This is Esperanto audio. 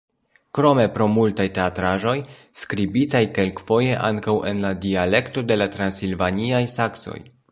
Krome pro multaj teatraĵoj, skribitaj kelkfoje ankaŭ en la dialekto de la transilvaniaj saksoj.